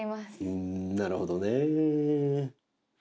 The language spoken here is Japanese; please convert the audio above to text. うーんなるほどね